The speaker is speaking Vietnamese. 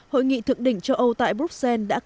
hội nghị thượng đỉnh châu âu tại bruxelles đã kết thúc